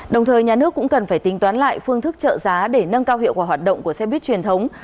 đồng thời nhà nước cũng cần phải tính toán lại phương thức trợ giá để nâng cao hiệu quả hoạt động của xe buýt truyền thống